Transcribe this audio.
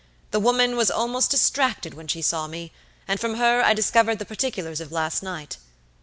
The woman was almost distracted when she saw me, and from her I discovered the particulars of last night.